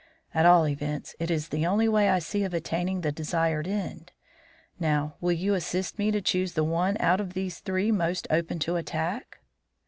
At all events it is the only way I see of attaining the desired end. Now, will you assist me to choose the one out of these three most open to attack?"